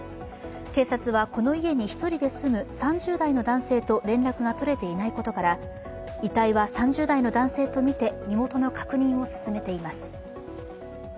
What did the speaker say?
警察はこの家に１人で住む３０代の男性と連絡が取れていないことから３０代の男性とみて、身元の確認を進めています。